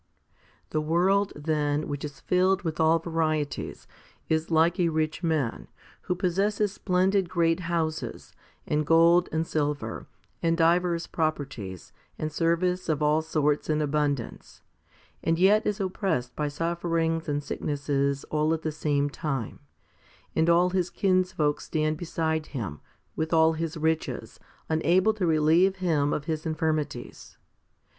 3. The world, then, which is filled with all varieties, is like a rich man, who possesses splendid great houses, and gold and silver, and divers properties, and service of all sorts in abundance ; and yet is oppressed by sufferings and sicknesses all at the same time, and all his kinsfolk stand beside him, with all his riches, unable to relieve him of his infirmities.